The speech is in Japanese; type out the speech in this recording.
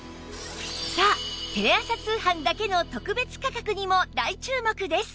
さあテレ朝通販だけの特別価格にも大注目です